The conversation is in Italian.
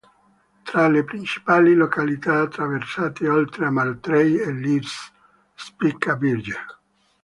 Tra le principali località attraversate oltre a Matrei e Lienz spicca Virgen.